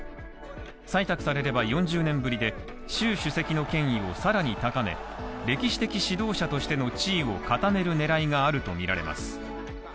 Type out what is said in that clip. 採択されれば４０年ぶりで、習主席の権利をさらに高め、歴史的指導者としての地位を固める狙いがあるとみられます。